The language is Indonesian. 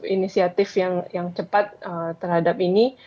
inisiatif yang cepat terhadap ini